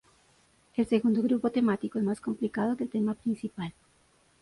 El segundo grupo temático es más complicado que el tema principal.